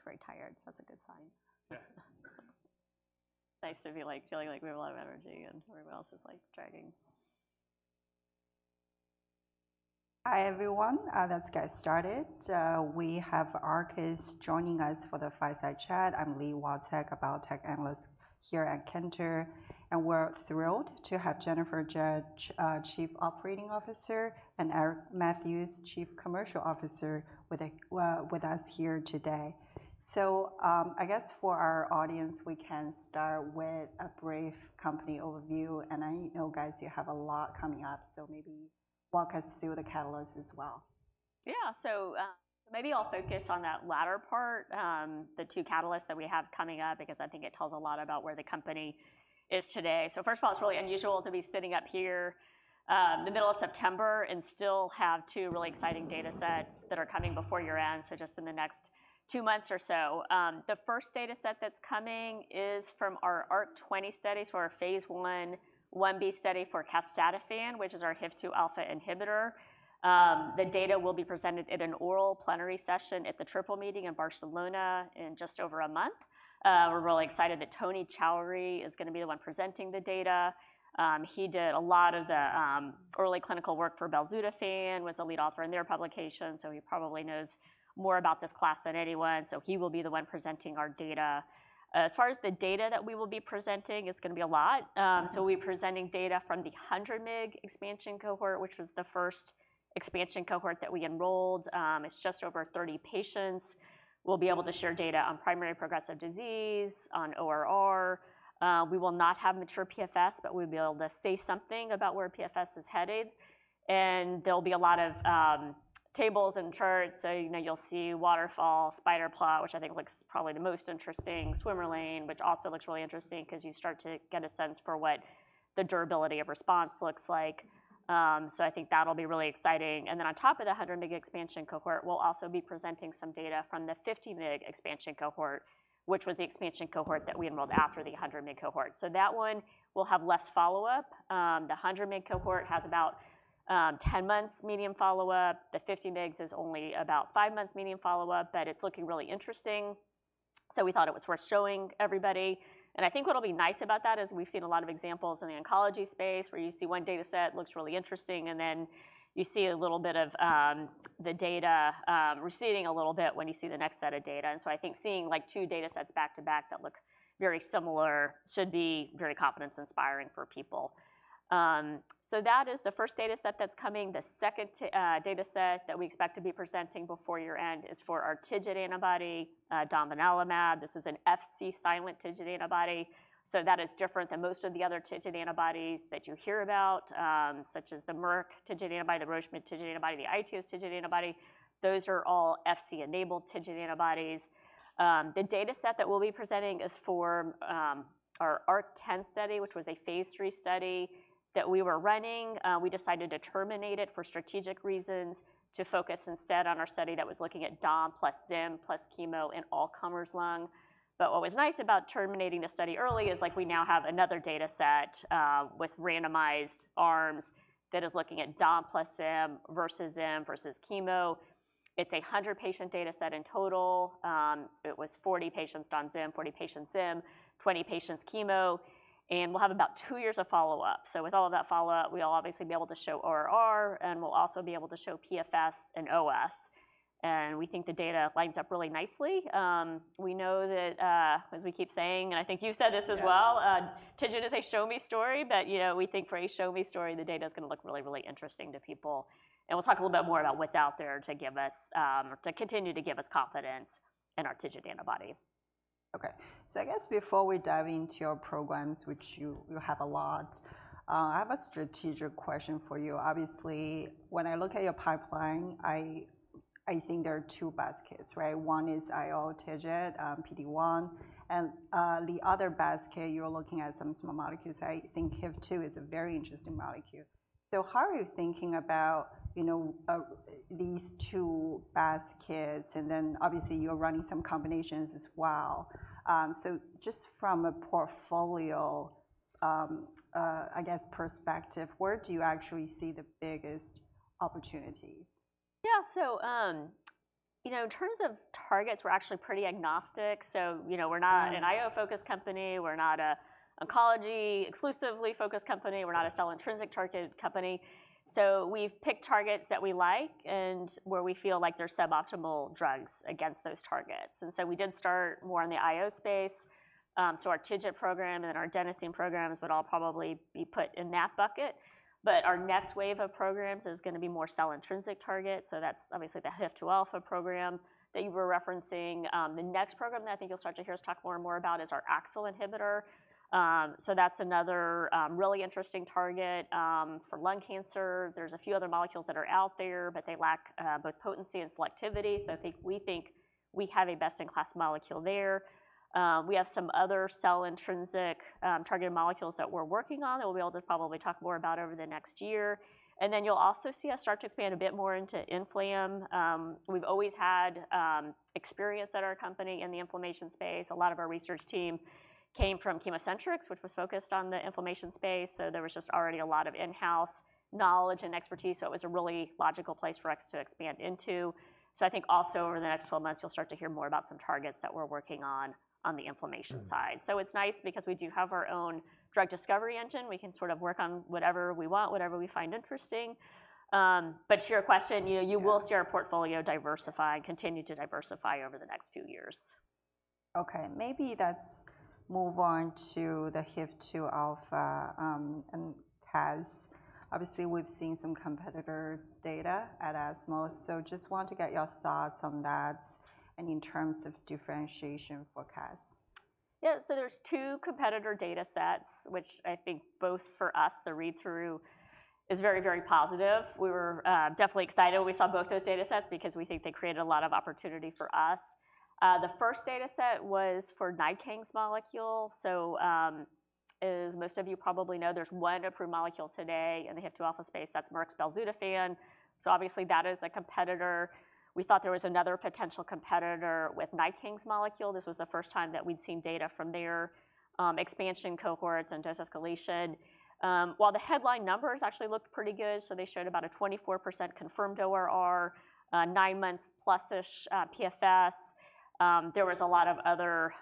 Great attendance. Everyone looks very tired, so that's a good sign. Yeah. Nice to be, like, feeling like we have a lot of energy, and everyone else is, like, dragging. Hi, everyone, let's get started. We have Arcus joining us for the Fireside Chat. I'm Li Watsek, a biotech analyst here at Cantor, and we're thrilled to have Jennifer Jarrett, Chief Operating Officer, and Ike Ohakwe, Chief Commercial Officer, with us here today. I guess for our audience, we can start with a brief company overview, and I know, guys, you have a lot coming up, so maybe walk us through the catalysts as well. Yeah. So, maybe I'll focus on that latter part, the two catalysts that we have coming up, because I think it tells a lot about where the company is today, so first of all, it's really unusual to be sitting up here, the middle of September and still have two really exciting data sets that are coming before year-end, so just in the next two months or so. The first data set that's coming is from our ARC-20 studies, for our phase I/Ib study for casdatifan, which is our HIF-2 alpha inhibitor. The data will be presented at an oral plenary session at the Triple Meeting in Barcelona in just over a month. We're really excited that Toni Choueiri is gonna be the one presenting the data. He did a lot of the early clinical work for belzutifan, was the lead author in their publication, so he probably knows more about this class than anyone, so he will be the one presenting our data. As far as the data that we will be presenting, it's gonna be a lot. So we'll be presenting data from the 100 mg expansion cohort, which was the first expansion cohort that we enrolled. It's just over 30 patients. We'll be able to share data on primary progressive disease, on ORR. We will not have mature PFS, but we'll be able to say something about where PFS is headed. And there'll be a lot of tables and charts, so, you know, you'll see waterfall, spider plot, which I think looks probably the most interesting, swimmer lane, which also looks really interesting 'cause you start to get a sense for what the durability of response looks like. So I think that'll be really exciting. And then on top of the 100 mg expansion cohort, we'll also be presenting some data from the 50 mg expansion cohort, which was the expansion cohort that we enrolled after the 100 mg cohort. So that one will have less follow-up. The 100 mg cohort has about 10 months median follow-up. The 50 mg is only about 5 months median follow-up, but it's looking really interesting, so we thought it was worth showing everybody. And I think what'll be nice about that is we've seen a lot of examples in the oncology space, where you see one data set looks really interesting, and then you see a little bit of, the data, receding a little bit when you see the next set of data. And so I think seeing, like, two data sets back-to-back that look very similar should be very confidence-inspiring for people. So that is the first data set that's coming. The second data set that we expect to be presenting before year-end is for our TIGIT antibody, domvanalimab. This is an Fc-silent TIGIT antibody, so that is different than most of the other TIGIT antibodies that you hear about, such as the Merck TIGIT antibody, the Roche TIGIT antibody, the iTeos TIGIT antibody. Those are all Fc-enabled TIGIT antibodies. The data set that we'll be presenting is for our ARC-10 study, which was a phase III study that we were running. We decided to terminate it for strategic reasons, to focus instead on our study that was looking at dom plus zim plus chemo in all-comers lung, but what was nice about terminating the study early is, like, we now have another data set with randomized arms that is looking at dom plus zim versus zim versus chemo. It's a 100-patient data set in total. It was 40 patients dom/zim, 40 patients zim, 20 patients chemo, and we'll have about two years of follow-up, so with all of that follow-up, we'll obviously be able to show ORR, and we'll also be able to show PFS and OS, and we think the data lines up really nicely. We know that, as we keep saying, and I think you've said this as well- Yeah... TIGIT is a show-me story, but, you know, we think for a show-me story, the data is gonna look really, really interesting to people. And we'll talk a little bit more about what's out there to give us, to continue to give us confidence in our TIGIT antibody. Okay. So I guess before we dive into your programs, which you have a lot, I have a strategic question for you. Obviously, when I look at your pipeline, I think there are two baskets, right? One is IO TIGIT, PD-1, and the other basket, you're looking at some small molecules. I think HIF-2 is a very interesting molecule. So how are you thinking about, you know, these two baskets? And then obviously, you're running some combinations as well. So just from a portfolio, I guess, perspective, where do you actually see the biggest opportunities? Yeah. So, you know, in terms of targets, we're actually pretty agnostic. So, you know- Right... we're not an IO-focused company. We're not a oncology exclusively focused company. We're not a cell-intrinsic target company. So we've picked targets that we like and where we feel like there's suboptimal drugs against those targets. And so we did start more in the IO space, so our TIGIT program and then our Adenosine programs would all probably be put in that bucket. But our next wave of programs is gonna be more cell-intrinsic targets, so that's obviously the HIF-2 alpha program that you were referencing. The next program that I think you'll start to hear us talk more and more about is our AXL inhibitor. So that's another, really interesting target, for lung cancer. There's a few other molecules that are out there, but they lack, both potency and selectivity, so I think, we think we have a best-in-class molecule there. We have some other cell intrinsic targeted molecules that we're working on, that we'll be able to probably talk more about over the next year. And then you'll also see us start to expand a bit more into inflammation. We've always had experience at our company in the inflammation space. A lot of our research team came from ChemoCentryx, which was focused on the inflammation space, so there was just already a lot of in-house knowledge and expertise, so it was a really logical place for us to expand into. So I think also over the next twelve months, you'll start to hear more about some targets that we're working on, on the inflammation side. Mm-hmm. So it's nice because we do have our own drug discovery engine. We can sort of work on whatever we want, whatever we find interesting. But to your question, you know- Yeah... you will see our portfolio diversify, continue to diversify over the next few years. Okay, maybe let's move on to the HIF-2 alpha, and Cas. Obviously, we've seen some competitor data at ESMO, so just want to get your thoughts on that and in terms of differentiation for Cas. Yeah, so there's two competitor data sets, which I think both for us, the read-through is very, very positive. We were definitely excited when we saw both those data sets because we think they created a lot of opportunity for us. The first data set was for NiKang molecule. So, as most of you probably know, there's one approved molecule today in the HIF-2 alpha space, that's Merck's Belzutifan. So obviously, that is a competitor. We thought there was another potential competitor with NiKang molecule. This was the first time that we'd seen data from their expansion cohorts and dose escalation. While the headline numbers actually looked pretty good, so they showed about a 24% confirmed ORR, nine months plus-ish, PFS, there was a lot of other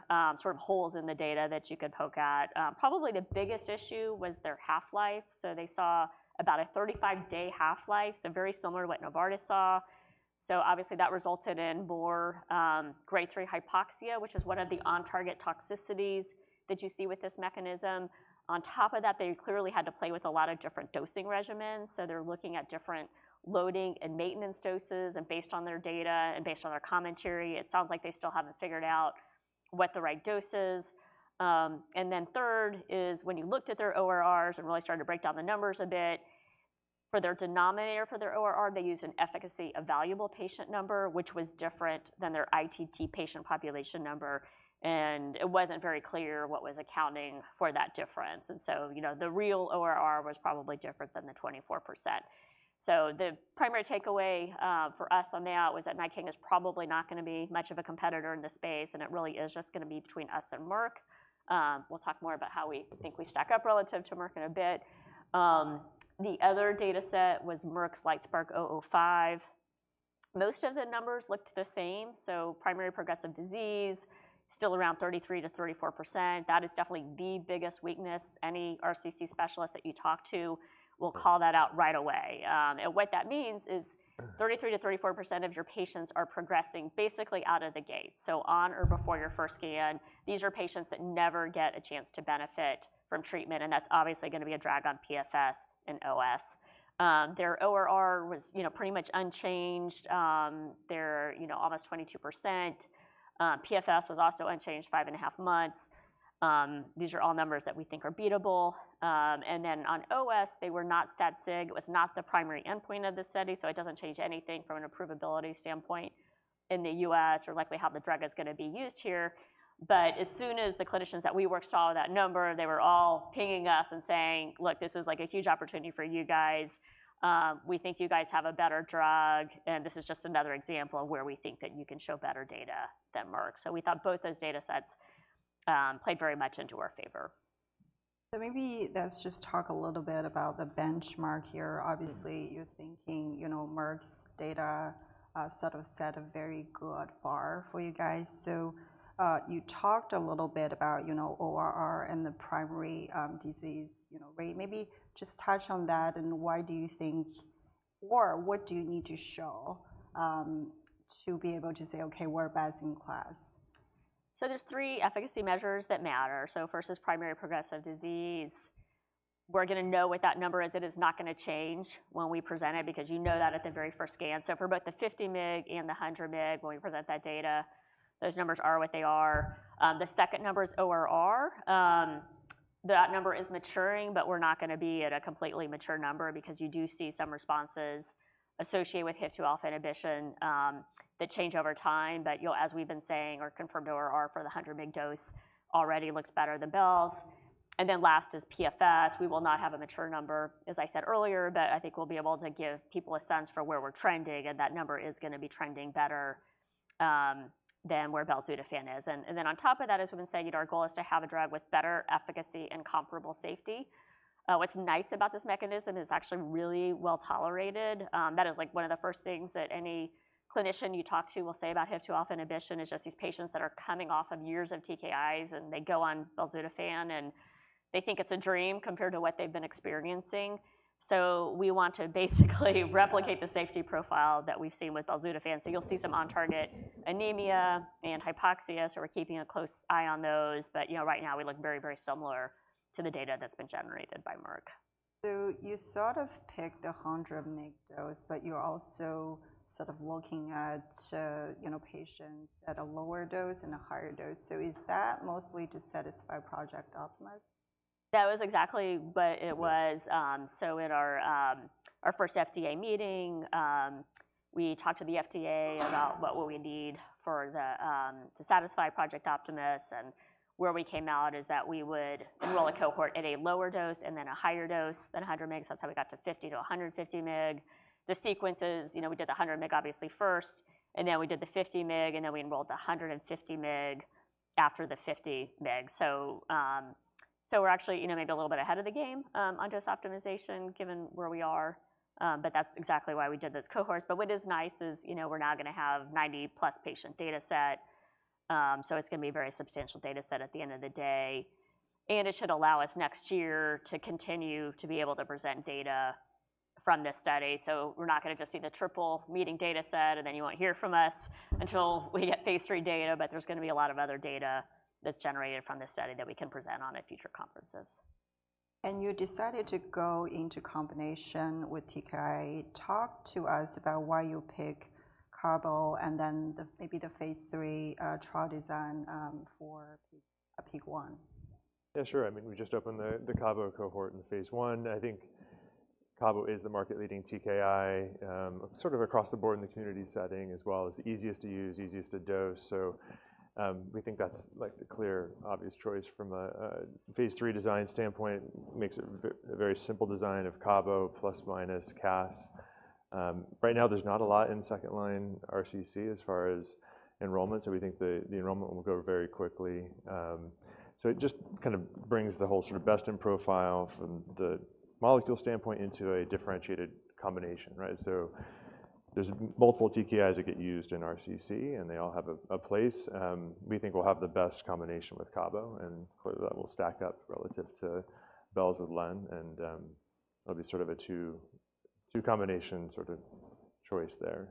sort of holes in the data that you could poke at. Probably the biggest issue was their half-life. So they saw about a 35-day half-life, so very similar to what Novartis saw. So obviously, that resulted in more grade 3 hypoxia, which is one of the on-target toxicities that you see with this mechanism. On top of that, they clearly had to play with a lot of different dosing regimens, so they're looking at different loading and maintenance doses, and based on their data and based on their commentary, it sounds like they still haven't figured out what the right dose is. And then third is, when you looked at their ORRs and really started to break down the numbers a bit, for their denominator for their ORR, they used an efficacy evaluable patient number, which was different than their ITT patient population number, and it wasn't very clear what was accounting for that difference. You know, the real ORR was probably different than the 24%. The primary takeaway for us on that was that NiKang is probably not gonna be much of a competitor in this space, and it really is just gonna be between us and Merck. We'll talk more about how we think we stack up relative to Merck in a bit. The other data set was Merck's LITESPARK-005. Most of the numbers looked the same, so primary progressive disease still around 33%-34%. That is definitely the biggest weakness any RCC specialist that you talk to will call that out right away. And what that means is- Mm... 33%-34% of your patients are progressing basically out of the gate, so on or before your first scan. These are patients that never get a chance to benefit from treatment, and that's obviously gonna be a drag on PFS and OS. Their ORR was, you know, pretty much unchanged, their, you know, almost 22%. PFS was also unchanged, five and a half months. These are all numbers that we think are beatable. And then on OS, they were not stat sig. It was not the primary endpoint of the study, so it doesn't change anything from an approvability standpoint in the U.S., or likely how the drug is gonna be used here. But as soon as the clinicians that we worked saw that number, they were all pinging us and saying: "Look, this is, like, a huge opportunity for you guys. We think you guys have a better drug, and this is just another example of where we think that you can show better data than Merck." So we thought both those data sets played very much into our favor. So maybe let's just talk a little bit about the benchmark here. Mm-hmm. Obviously, you're thinking, you know, Merck's data sort of set a very good bar for you guys. So, you talked a little bit about, you know, ORR and the primary disease, you know, rate. Maybe just touch on that, and why do you think... Or what do you need to show to be able to say, "Okay, we're best in class? So there's three efficacy measures that matter. First is Primary Progressive Disease. We're gonna know what that number is. It is not gonna change when we present it, because you know that at the very first scan. For both the 50 mg and the 100 mg, when we present that data, those numbers are what they are. The second number is ORR. That number is maturing, but we're not gonna be at a completely mature number because you do see some responses associated with HIF-2 alpha inhibition that change over time. But as we've been saying, our confirmed ORR for the 100 mg dose already looks better than Bel's. And then last is PFS. We will not have a mature number, as I said earlier, but I think we'll be able to give people a sense for where we're trending, and that number is gonna be trending better than where Belzutifan is. And then on top of that, as we've been saying, our goal is to have a drug with better efficacy and comparable safety. What's nice about this mechanism, it's actually really well-tolerated. That is, like, one of the first things that any clinician you talk to will say about HIF-2 alpha inhibition, is just these patients that are coming off of years of TKIs, and they go on Belzutifan, and they think it's a dream compared to what they've been experiencing. So we want to basically replicate the safety profile that we've seen with Belzutifan. So you'll see some on-target anemia and hypoxia, so we're keeping a close eye on those. But, you know, right now, we look very, very similar to the data that's been generated by Merck. So you sort of picked the 100 mg dose, but you're also sort of looking at, you know, patients at a lower dose and a higher dose. So is that mostly to satisfy Project Optimus?... That was exactly what it was. So at our first FDA meeting, we talked to the FDA about what would we need to satisfy Project Optimus, and where we came out is that we would enroll a cohort at a lower dose and then a higher dose, then 100 mg. That's how we got to 50-150 mg. The sequences, you know, we did the 100 mg obviously first, and then we did the 50 mg, and then we enrolled the 150 mg after the 50 mg. So, we're actually, you know, maybe a little bit ahead of the game, on dose optimization, given where we are. But that's exactly why we did this cohort. But what is nice is, you know, we're now gonna have 90-plus patient data set. So it's gonna be a very substantial data set at the end of the day, and it should allow us next year to continue to be able to present data from this study. So we're not gonna just see the Triple Meeting data set, and then you won't hear from us until we get phase three data, but there's gonna be a lot of other data that's generated from this study that we can present on at future conferences. And you decided to go into combination with TKI. Talk to us about why you picked Cabo, and then maybe the phase three trial design for PIK3CA. Yeah, sure. I mean, we just opened the Cabo cohort in the phase 1. I think Cabo is the market-leading TKI, sort of across the board in the community setting, as well as the easiest to use, easiest to dose. So, we think that's, like, the clear, obvious choice from a phase 3 design standpoint. Makes it a very simple design of Cabo plus, minus Cas. Right now, there's not a lot in second-line RCC as far as enrollment, so we think the enrollment will go very quickly. So it just kind of brings the whole sort of best in profile from the molecule standpoint into a differentiated combination, right? So there's multiple TKIs that get used in RCC, and they all have a place. We think we'll have the best combination with CABO, and clearly, that will stack up relative to Belz with Len, and, it'll be sort of a two, two combination sort of choice there.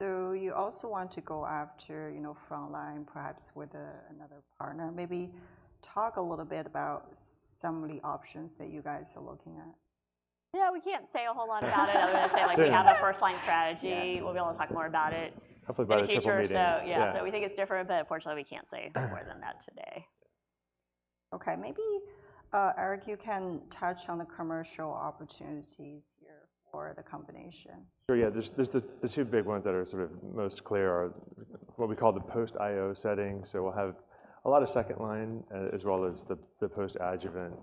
So you also want to go after, you know, frontline, perhaps with another partner. Maybe talk a little bit about some of the options that you guys are looking at. Yeah, we can't say a whole lot about it. Yeah. Other than to say, like, we have a first-line strategy. Yeah. We'll be able to talk more about it- Hopefully by the Triple Meeting. in the future, so yeah- Yeah. So we think it's different, but unfortunately, we can't say more than that today. Yeah. Okay, maybe, Eric, you can touch on the commercial opportunities here for the combination. Sure, yeah. There's the two big ones that are sort of most clear are what we call the post-IO setting. So we'll have a lot of second line, as well as the post-adjuvant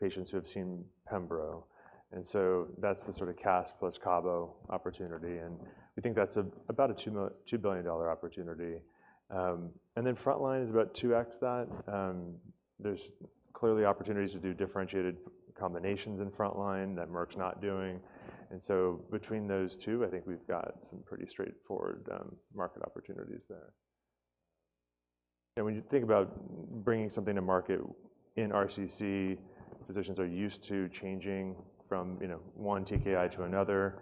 patients who have seen Pembro. And so that's the sort of Cas plus Cabo opportunity, and we think that's about a $2 billion opportunity. And then frontline is about 2x that. There's clearly opportunities to do differentiated combinations in frontline that Merck's not doing, and so between those two, I think we've got some pretty straightforward market opportunities there. And when you think about bringing something to market in RCC, physicians are used to changing from, you know, one TKI to another.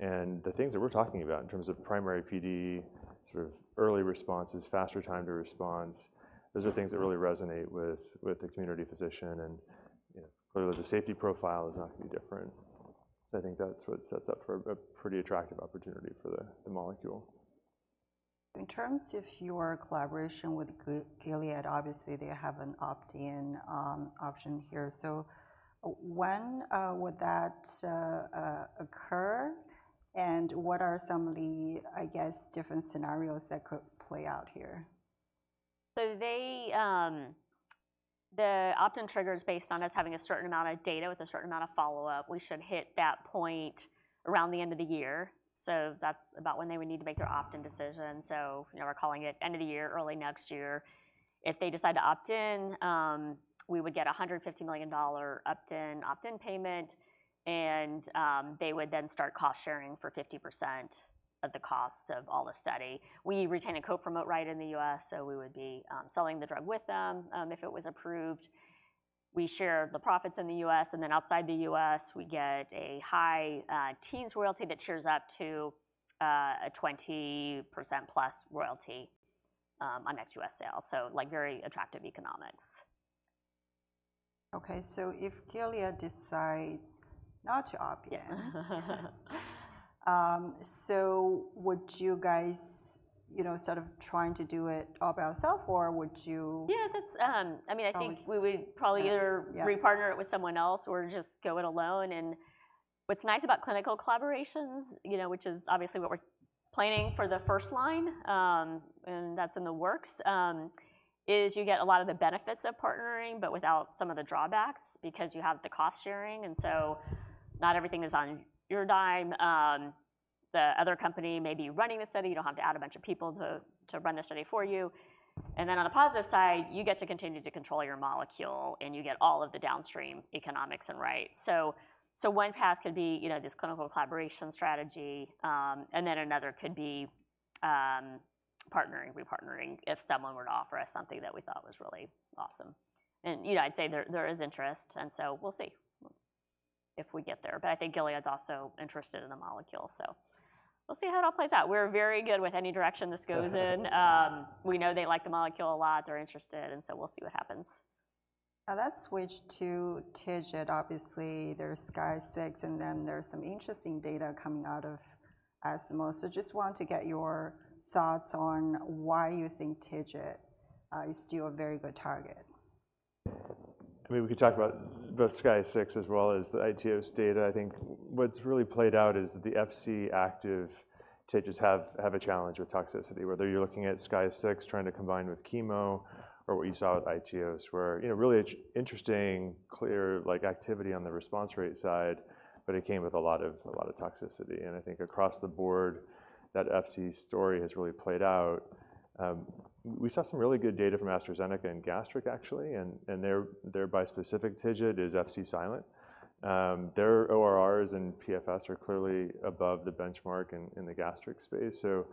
The things that we're talking about in terms of primary PD, sort of early responses, faster time to response, those are things that really resonate with the community physician and, you know, clearly, the safety profile is not gonna be different. So I think that's what sets up for a pretty attractive opportunity for the molecule. In terms of your collaboration with Gilead, obviously, they have an opt-in option here. So when would that occur, and what are some of the, I guess, different scenarios that could play out here? So they. The opt-in trigger is based on us having a certain amount of data with a certain amount of follow-up. We should hit that point around the end of the year, so that's about when they would need to make their opt-in decision. So, you know, we're calling it end of the year, early next year. If they decide to opt in, we would get a $150 million opt-in, opt-in payment, and, they would then start cost-sharing for 50% of the cost of all the study. We retain a co-promote right in the U.S., so we would be, selling the drug with them, if it was approved. We share the profits in the U.S., and then outside the U.S., we get a high teens royalty that tiers up to, a 20% plus royalty, on ex-U.S. sales. Like, very attractive economics. Okay, so if Gilead decides not to opt in- Yeah. So would you guys, you know, sort of trying to do it all by yourself, or would you- Yeah, that's... I mean, I think we would- Oh, yeah... probably either re-partner it with someone else or just go it alone. And what's nice about clinical collaborations, you know, which is obviously what we're planning for the first line, and that's in the works, is you get a lot of the benefits of partnering, but without some of the drawbacks because you have the cost-sharing, and so not everything is on your dime. The other company may be running the study. You don't have to add a bunch of people to run the study for you. And then on the positive side, you get to continue to control your molecule, and you get all of the downstream economics and rights. So one path could be, you know, this clinical collaboration strategy, and then another could be partnering, re-partnering, if someone were to offer us something that we thought was really awesome. You know, I'd say there is interest, and so we'll see if we get there. But I think Gilead's also interested in the molecule, so we'll see how it all plays out. We're very good with any direction this goes in. We know they like the molecule a lot, they're interested, and so we'll see what happens. Now, let's switch to TIGIT. Obviously, there's SKYSCRAPER-06, and then there's some interesting data coming out of ESMO. So just want to get your thoughts on why you think TIGIT is still a very good target?... I mean, we could talk about both SKY sechs as well as the iTeos's data. I think what's really played out is that the Fc-active TIGITs have a challenge with toxicity. Whether you're looking at SKY sechs trying to combine with chemo or what you saw with iTeos's, where, you know, really interesting, clear, like, activity on the response rate side, but it came with a lot of toxicity. And I think across the board, that Fc story has really played out. We saw some really good data from AstraZeneca in gastric, actually, and their bispecific TIGIT is Fc-silent. Their ORRs and PFS are clearly above the benchmark in the gastric space. So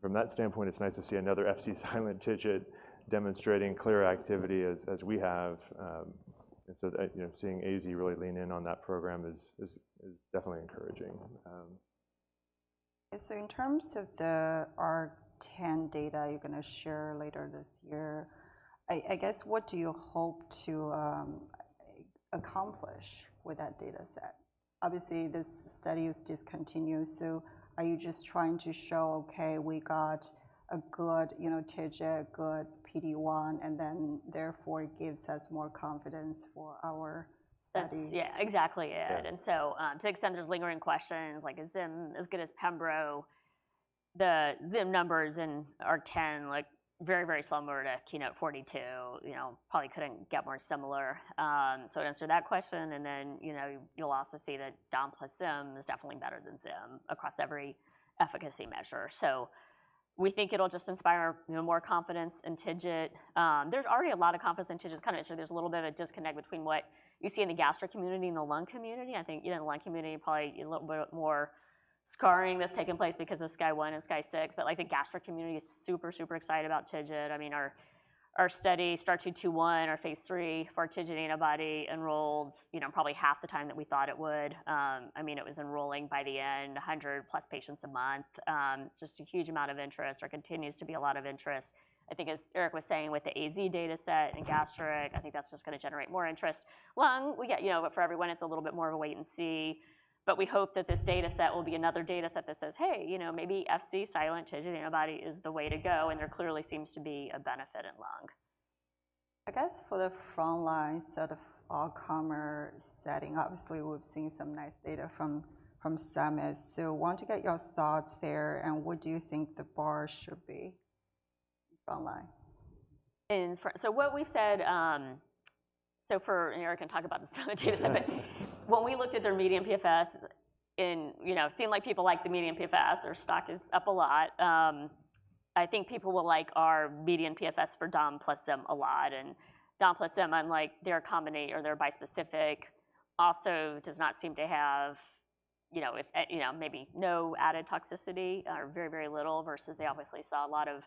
from that standpoint, it's nice to see another Fc-silent TIGIT demonstrating clear activity as we have. And so, you know, seeing AZ really lean in on that program is definitely encouraging. And so in terms of the ARC-10 data you're gonna share later this year, I guess, what do you hope to accomplish with that data set? Obviously, this study is discontinued, so are you just trying to show, okay, we got a good, you know, TIGIT, good PD-1, and then therefore, it gives us more confidence for our study? That's, yeah, exactly it. Yeah. And so, to extend, there's lingering questions like, is Zim as good as pembro? The Zim numbers in ARC-10, like very, very similar to KEYNOTE-042, you know, probably couldn't get more similar. So it answered that question, and then, you know, you'll also see that Dom plus Zim is definitely better than Zim across every efficacy measure. So we think it'll just inspire, you know, more confidence in TIGIT. There's already a lot of confidence in TIGIT. It's kinda, so there's a little bit of a disconnect between what you see in the gastric community and the lung community. I think, you know, in the lung community, probably a little bit more scarring that's taken place because of SKY-01 and SKY-06. But, like, the gastric community is super, super excited about TIGIT. I mean, our study STAR-221, our phase III for our TIGIT antibody enrolled, you know, probably half the time that we thought it would. I mean, it was enrolling by the end, a hundred plus patients a month. Just a huge amount of interest. There continues to be a lot of interest. I think as Eric was saying with the AZ data set in gastric, I think that's just gonna generate more interest. Lung, we get. You know, but for everyone, it's a little bit more of a wait and see, but we hope that this data set will be another data set that says, "Hey, you know, maybe Fc-silent TIGIT antibody is the way to go," and there clearly seems to be a benefit in lung. I guess for the front line set of all-comer setting, obviously, we've seen some nice data from Summit. So want to get your thoughts there, and what do you think the bar should be front line? So what we've said. For, and Eric can talk about the Summit data set. But when we looked at their median PFS. You know, seemed like people like the median PFS. Their stock is up a lot. I think people will like our median PFS for dom plus Zim a lot, and dom plus Zim, unlike their combination or their bispecific, also does not seem to have, you know, if, you know, maybe no added toxicity or very, very little, versus they obviously saw a lot of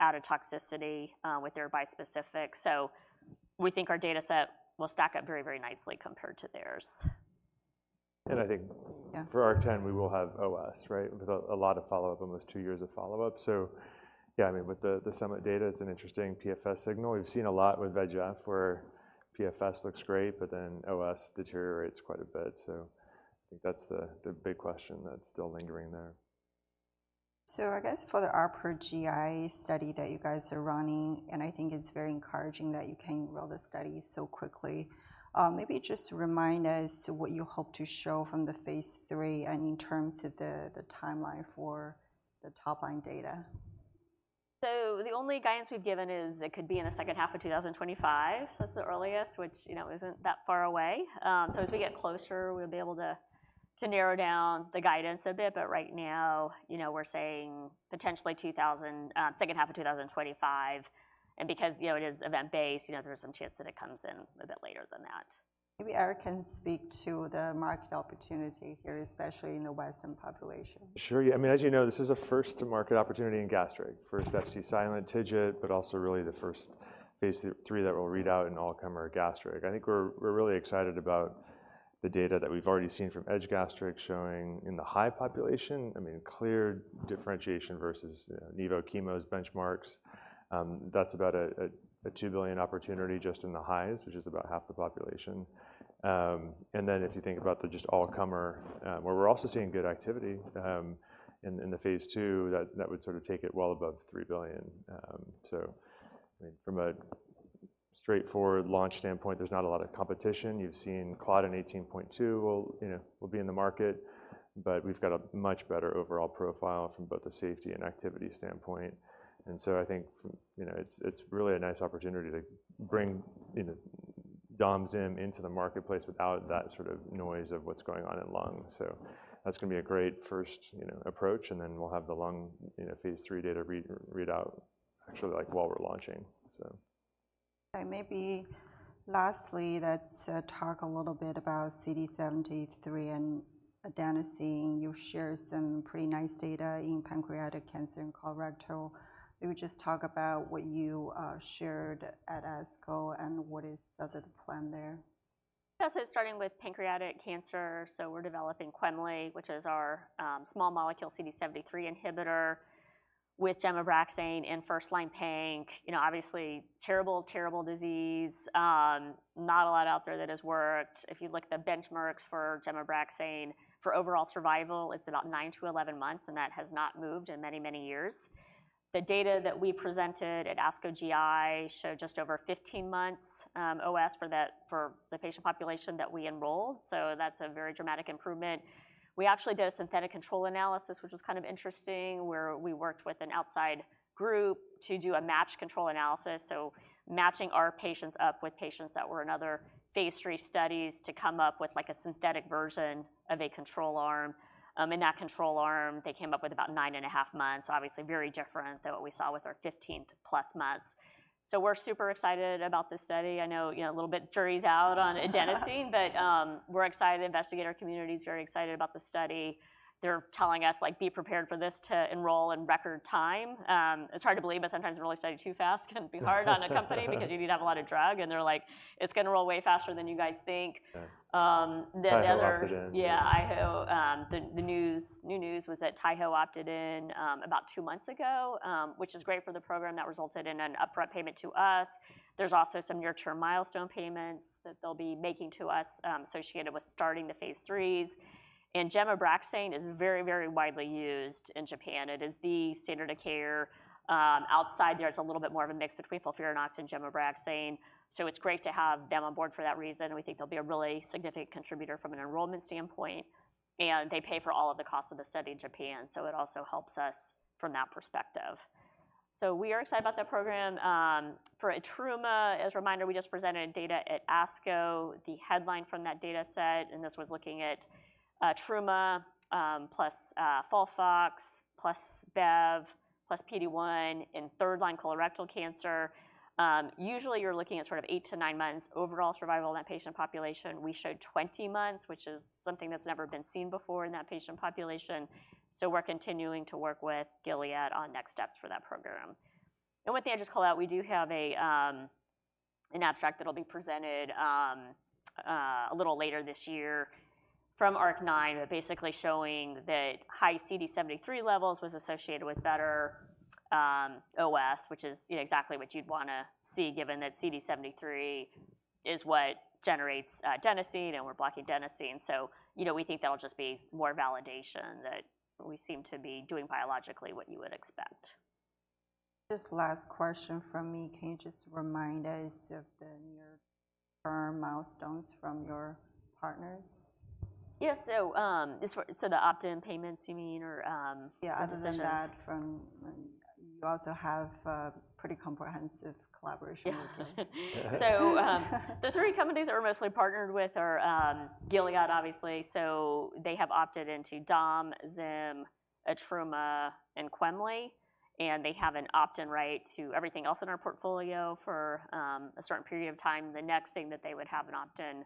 added toxicity with their bispecific. So we think our data set will stack up very, very nicely compared to theirs. I think- Yeah... for ARC-10, we will have OS, right? With a lot of follow-up, almost two years of follow-up. So yeah, I mean, with the Summit data, it's an interesting PFS signal. We've seen a lot with VEGF, where PFS looks great, but then OS deteriorates quite a bit. So I think that's the big question that's still lingering there. So I guess for the ARC-9 GI study that you guys are running, and I think it's very encouraging that you can roll the study so quickly. Maybe just remind us what you hope to show from the phase III and in terms of the timeline for the top-line data. So the only guidance we've given is it could be in the second half of two thousand and twenty-five. That's the earliest, which, you know, isn't that far away. As we get closer, we'll be able to narrow down the guidance a bit, but right now, you know, we're saying potentially two thousand, second half of two thousand and twenty-five. And because, you know, it is event-based, you know, there's some chance that it comes in a bit later than that. Maybe Eric can speak to the market opportunity here, especially in the Western population. Sure, yeah. I mean, as you know, this is a first-to-market opportunity in gastric. First Fc-silent TIGIT, but also really the first phase III that will read out an all-comer gastric. I think we're really excited about the data that we've already seen from EDGE-Gastric showing in the high population. I mean, clear differentiation versus nivo/chemo's benchmarks. That's about a $2 billion opportunity just in the highs, which is about half the population. And then if you think about the just all-comer, where we're also seeing good activity in the phase II, that would sort of take it well above $3 billion. So, I mean, from a straightforward launch standpoint, there's not a lot of competition. You've seen Claudin 18.2 will, you know, will be in the market, but we've got a much better overall profile from both the safety and activity standpoint, and so I think, you know, it's really a nice opportunity to bring, you know, domzim into the marketplace without that sort of noise of what's going on in lung, so that's gonna be a great first, you know, approach, and then we'll have the lung, you know, phase III data read out actually, like, while we're launching, so. Maybe lastly, let's talk a little bit about CD73 and adenosine. You've shared some pretty nice data in pancreatic cancer and colorectal. Maybe just talk about what you shared at ASCO and what is sort of the plan there. Yeah, so starting with pancreatic cancer, so we're developing Quemli, which is our small molecule CD73 inhibitor with gemcitabine in first-line Panc. You know, obviously terrible, terrible disease. Not a lot out there that has worked. If you look at the benchmarks for gemcitabine, for overall survival, it's about nine to 11 months, and that has not moved in many, many years. The data that we presented at ASCO GI showed just over 15 months OS for that for the patient population that we enrolled, so that's a very dramatic improvement. We actually did a synthetic control analysis, which was kind of interesting, where we worked with an outside group to do a match control analysis. So matching our patients up with patients that were in other phase 3 studies to come up with, like, a synthetic version of a control arm. In that control arm, they came up with about nine and a half months, so obviously very different than what we saw with our fifteenth plus months, so we're super excited about this study. I know, you know, a little bit jury's out on adenosine, but we're excited. The investigator community is very excited about the study. They're telling us, like: "Be prepared for this to enroll in record time." It's hard to believe, but sometimes enrolling a study too fast can be hard on a company, because you need to have a lot of drug, and they're like: "It's gonna roll way faster than you guys think. Sure. The other- Taiho opted in. Yeah, the new news was that Taiho opted in about two months ago, which is great for the program. That resulted in an upfront payment to us. There's also some near-term milestone payments that they'll be making to us, associated with starting the phase threes. Gemcitabine is very, very widely used in Japan. It is the standard of care. Outside there, it's a little bit more of a mix between FOLFIRINOX and gemcitabine, so it's great to have them on board for that reason. We think they'll be a really significant contributor from an enrollment standpoint, and they pay for all of the costs of the study in Japan, so it also helps us from that perspective. We are excited about that program. For Etrima, as a reminder, we just presented data at ASCO, the headline from that data set, and this was looking at Etrima plus FOLFOX plus Bev plus PD-1 in third line colorectal cancer. Usually you're looking at sort of eight-nine months overall survival in that patient population. We showed 20 months, which is something that's never been seen before in that patient population. So we're continuing to work with Gilead on next steps for that program. And one thing I just call out, we do have a an abstract that'll be presented a little later this year from ARC-9, but basically showing that high CD73 levels was associated with better OS, which is, you know, exactly what you'd wanna see, given that CD73 is what generates adenosine, and we're blocking adenosine. So, you know, we think that'll just be more validation that we seem to be doing biologically what you would expect. Just last question from me. Can you just remind us of the near-term milestones from your partners? Yeah. So, this one, so the opt-in payments, you mean, or? Yeah. Decisions? I just want to add from... You also have pretty comprehensive collaboration with them. Yeah. So, the three companies that we're mostly partnered with are, Gilead, obviously. So they have opted into Dom, Zim, Etrima, and Quemli, and they have an opt-in right to everything else in our portfolio for a certain period of time. The next thing that they would have an opt-in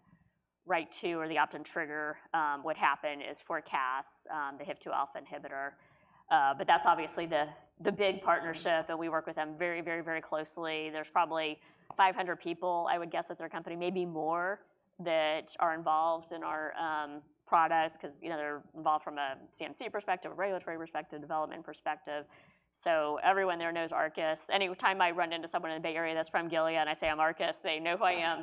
right to or the opt-in trigger would happen is for Cas, the HIF-2 alpha inhibitor. But that's obviously the big- Yes... partnership, and we work with them very, very, very closely. There's probably 500 people, I would guess, at their company, maybe more, that are involved in our products, 'cause, you know, they're involved from a CMC perspective, a regulatory perspective, development perspective. So everyone there knows Arcus. Any time I run into someone in the Bay Area that's from Gilead, and I say I'm Arcus, they know who I am,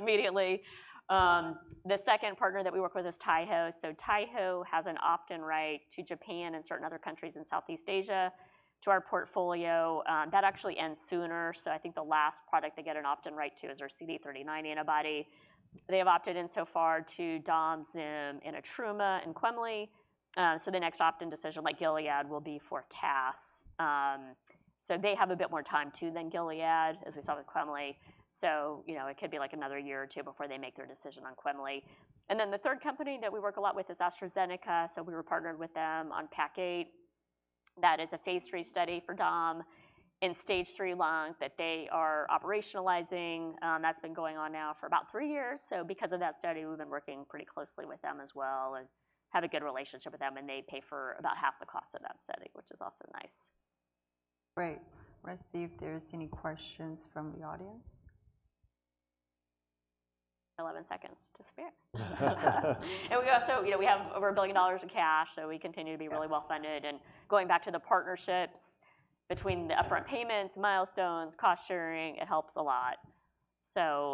immediately. The second partner that we work with is Taiho. So Taiho has an opt-in right to Japan and certain other countries in Southeast Asia, to our portfolio. That actually ends sooner, so I think the last product they get an opt-in right to is our CD39 antibody. They have opted in so far to Dom, Zim, and Etrima, and Quemli. So the next opt-in decision, like Gilead, will be for CAS. So they have a bit more time too than Gilead, as we saw with Quemli. So, you know, it could be like another year or two before they make their decision on Quemli. And then the third company that we work a lot with is AstraZeneca. So we were partnered with them on PAC-8. That is a phase three study for Dom in stage three lung that they are operationalizing. That's been going on now for about three years. So because of that study, we've been working pretty closely with them as well and have a good relationship with them, and they pay for about half the cost of that study, which is also nice. Great. Let's see if there is any questions from the audience. Eleven seconds to spare, and we also, you know, we have over $1 billion in cash, so we continue to be- Yeah... really well-funded, and going back to the partnerships, between the upfront payments, milestones, cost sharing, it helps a lot. So-